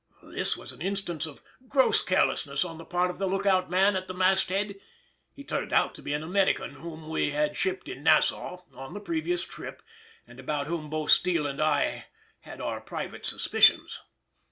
This was an instance of gross carelessness on the part of the look out man at the masthead (he turned out to be an American whom we had shipped in Nassau, on the previous trip, and about whom both Steele and I had our private suspicions).